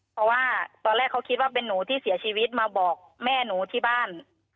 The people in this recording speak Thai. เพราะว่าตอนแรกเขาคิดว่าเป็นหนูที่เสียชีวิตมาบอกแม่หนูที่บ้าน